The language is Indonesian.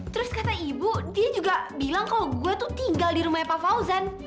terus kata ibu dia juga bilang kok gue tuh tinggal di rumahnya pak fauzan